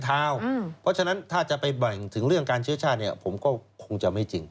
เพราะฉะนั้นถ้าจะไปแบ่งถึงเรื่องการเชื้อชาติผมก็คงจะไม่จริง